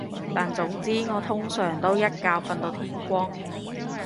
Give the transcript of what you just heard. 但總之我通常都一覺瞓到天光